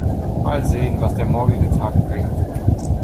Mal sehen, was der morgige Tag bringt.